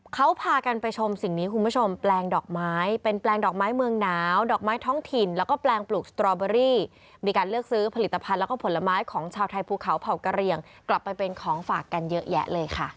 เขาพากันไปชมสิ่งนี้คุณผู้ชมแปลงดอกไม้เป็นแปลงดอกไม้เมืองหนาวดอกไม้ท้องถิ่นแล้วก็แปลงปลูกสตรอเบอรี่มีการเลือกซื้อผลิตภัณฑ์แล้วก็ผลไม้ของชาวไทยภูเขาเผ่ากะเรียงกลับไปเป็นของฝากกันเยอะแยะเลยค่ะ